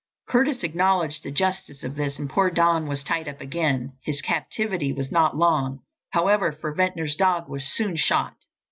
Curtis acknowledged the justice of this and poor Don was tied up again. His captivity was not long, however, for Ventnor's dog was soon shot.